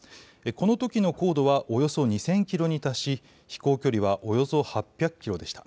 このときの高度はおよそ２０００キロに達し飛行距離はおよそ８００キロでした。